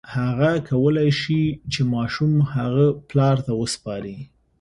هغه کولی شي چې ماشوم هغه پلار ته وسپاري.